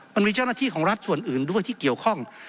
มันมีเจ้าหน้าที่ของรัฐส่วนอื่นด้วยที่เกี่ยวข้อง